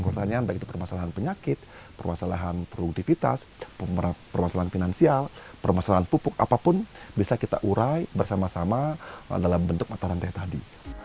dan dari bidang kepertanian baik itu permasalahan penyakit permasalahan produktivitas permasalahan finansial permasalahan pupuk apapun bisa kita urai bersama sama dalam bentuk mata rantai tadi